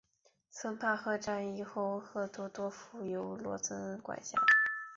森帕赫战役后霍赫多夫由卢塞恩管辖。